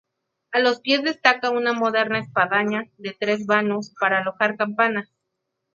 A los pies destaca una moderna espadaña, de tres vanos, para alojar campanas.